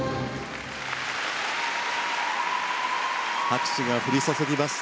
拍手が降り注ぎます。